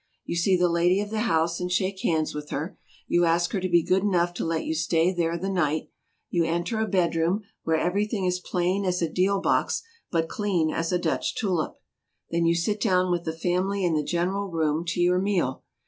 You see the lady of the house and shake hands with her ; you ask her to be good enough to let you stay there the night ; you enter a bedroom, where everything is plain as a deal box, but clean as a Dutch tulip. Then you sit down with the family in the general room to your meal.